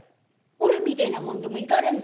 俺みてえな者でも行かれんのか？